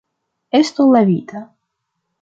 Estu lavita.